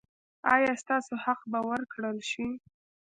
ایا ستاسو حق به ورکړل شي؟